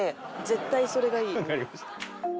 絶対それがいい。